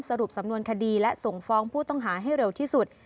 สรุปสำนวนคดีและส่งฟ้องผู้ต้องหาให้เร็วที่สุด